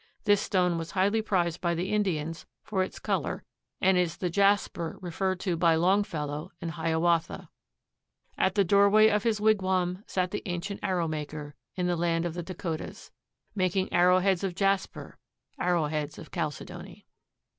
This stone was highly prized by the Indians for its color and is the "jasper" referred to by Longfellow in Hiawatha: "At the doorway of his wigwam Sat the ancient Arrow maker In the land of the Dacotahs, Making arrow heads of jasper Arrow heads of chalcedony."